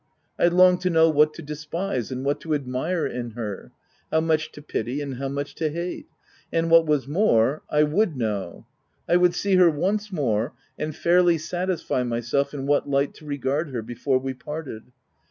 I longed to know what to despise, and what to admire in her, how much to pity, and how much to hate ;— and, what was more, I would know. I would see her once more, and fairly satisfy myself in what light to regard her, before we parted.